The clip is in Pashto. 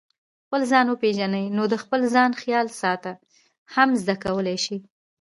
خپل ځان وپېژنئ نو د خپل ځان خیال ساتنه هم زده کولای شئ.